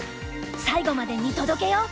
最後まで見届けよう。